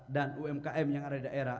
dan umkm yang ada di daerah